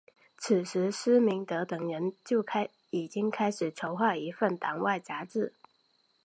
此时施明德等人就已经开始筹划一份党外杂志。